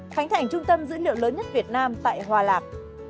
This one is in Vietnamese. một mươi khánh thành trung tâm dữ liệu lớn nhất việt nam tại hòa lạc